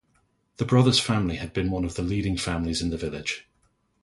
The brothers' family had been one of the leading families in the village.